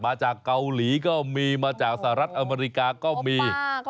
มาจากเกาหลีก็มีมาจากสหรัฐอเมริกาก็มี